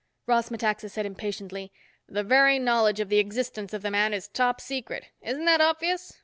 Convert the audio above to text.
Ross Metaxa said impatiently, "The very knowledge of the existence of the man is top secret. Isn't that obvious?